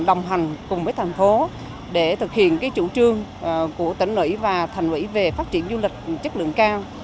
đồng hành cùng với thành phố để thực hiện cái chủ trương của tỉnh lưỡi và thành lưỡi về phát triển du lịch chất lượng cao